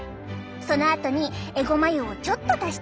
そのあとにえごま油をちょっと足してみてね。